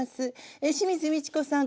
清水ミチコさん